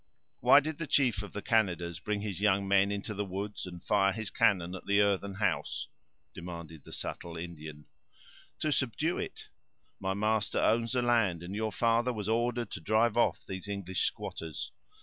"Why did the chief of the Canadas bring his young men into the woods, and fire his cannon at the earthen house?" demanded the subtle Indian. "To subdue it. My master owns the land, and your father was ordered to drive off these English squatters.